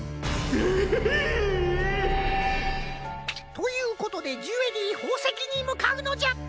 ひいっ！ということでジュエリーほうせきにむかうのじゃ！